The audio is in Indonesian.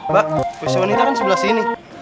bak posisi wanita kan sebelah sini